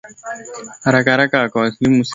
Haraka haraka akawasha simu yake na kumpigia Andrea